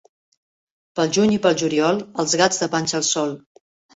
Pel juny i pel juliol, els gats de panxa al sol.